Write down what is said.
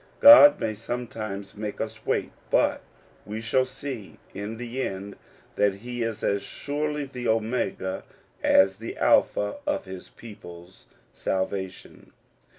God may sometimes make us wait ; but we shall see in the end that he is as surely the Omega as the Alpha of his people*s salvation.